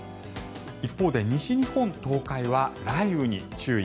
一方で西日本、東海は雷雨に注意。